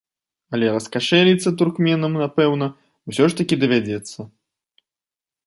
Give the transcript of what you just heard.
Але раскашэліцца туркменам, напэўна, усё ж такі давядзецца.